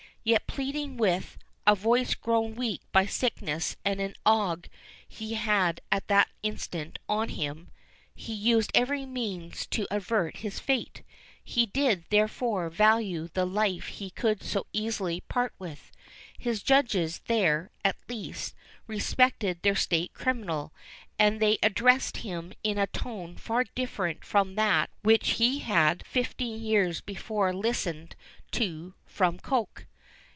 Yet pleading with "a voice grown weak by sickness and an ague he had at that instant on him," he used every means to avert his fate: he did, therefore, value the life he could so easily part with. His judges, there, at least, respected their state criminal, and they addressed him in a tone far different from that which he had fifteen years before listened to from Coke.